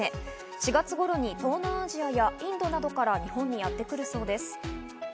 ４月頃に東南アジアやインドなどから日本にやってくるそうです。